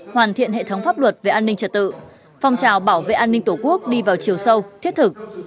hoàn thiện hệ thống pháp luật về an ninh trật tự phong trào bảo vệ an ninh tổ quốc đi vào chiều sâu thiết thực